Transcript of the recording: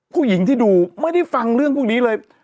ผู้หญิงที่ดูไม่ได้ฟังเรื่องพวกนี้เลย